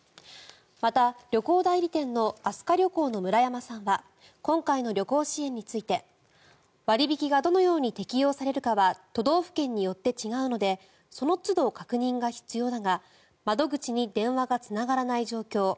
また旅行代理店の飛鳥旅行の村山さんは今回の旅行支援について割引がどのように適用されるかは都道府県によって違うのでその都度、確認が必要だが窓口に電話がつながらない状況。